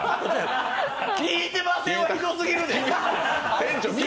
聞いてませんはひどすぎるで！